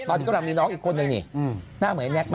ตอนนี้กำลังมีน้องอีกคนนึงนี่หน้าเหมือนไอแก๊กไหม